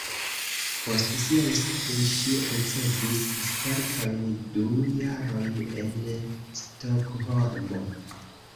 Post siaj studoj ŝi ricevis spertojn du jarojn en Stokholmo.